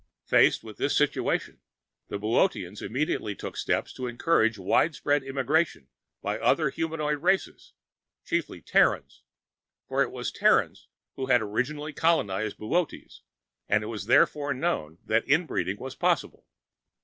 Faced with this situation, the Boöteans immediately took steps to encourage widespread immigration by other humanoid races, chiefly Terrans, for it was Terrans who had originally colonized Boötes and it was therefore known that interbreeding was possible.